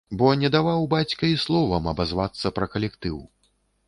Бо не даваў бацька і словам абазвацца пра калектыў.